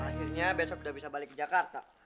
akhirnya besok sudah bisa balik ke jakarta